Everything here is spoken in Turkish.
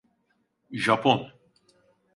Japon…